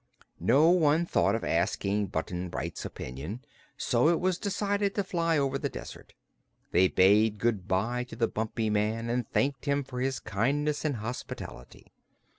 No one thought of asking Button Bright's opinion, so it was decided to fly over the desert. They bade good bye to the Bumpy Man and thanked him for his kindness and hospitality.